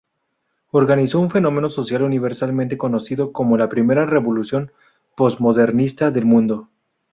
Organizó un fenómeno social universalmente reconocido como la Primera Revolución Postmodernista del Mundo.